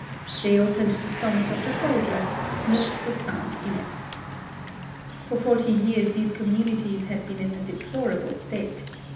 They opened the stomach of the soldier. Milk was found in it. For forty years these communities had been in a deplorable state.